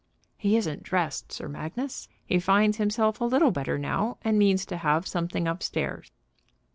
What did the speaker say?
"He isn't dressed, Sir Magnus. He finds himself a little better now, and means to have something up stairs."